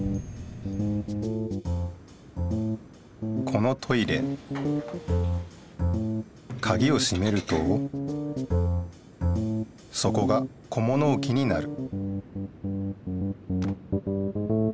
このトイレカギをしめるとそこが小物置きになる